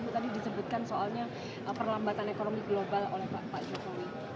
tadi disebutkan soalnya perlambatan ekonomi global oleh pak jokowi